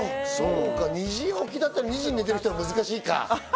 ２時起きだったら２時に寝てる人は難しいか。